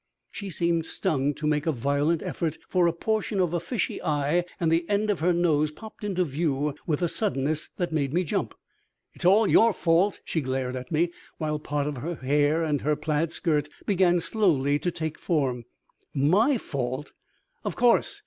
She seemed stung to make a violent effort, for a portion of a fishy eye and the end of her nose popped into view with a suddenness that made me jump. "It's all your fault." She glared at me, while part of her hair and her plaid skirt began slowly to take form. "My fault!" "Of course.